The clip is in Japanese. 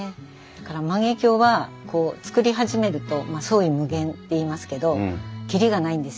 だから万華鏡は作り始めると創意無限っていいますけど切りがないんですよね。